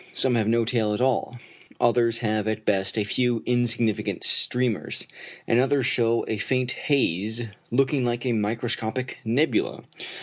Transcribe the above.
Some have no tail at all, others have at best a few insignificant streamers, and others show a faint haze looking like a microscopic nebula.